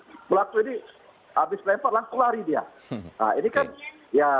oke baik kita nantikan saja nanti bagaimana upaya penangkapan dan juga mungkin pengungkapan modus dari penyerangan terhadap kami ya